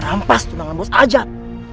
rampas tunangan bos ajar